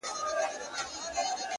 زه به لار د ښار له خلکو کړمه ورکه!.